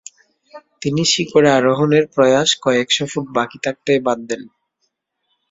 তিনি শিখরে আরোহণের প্রয়াস কয়েকশ ফুট বাকি থাকতেই বাদ দেন।